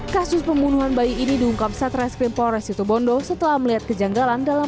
kasus pembunuhan bayi ini diungkap satreskrim polres situbondo setelah melihat kejanggalan dalam